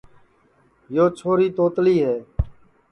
یو چھوری توتلی ہے